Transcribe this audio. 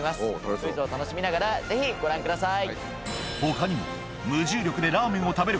クイズを楽しみながらぜひご覧ください。